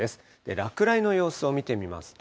落雷の様子を見てみますと。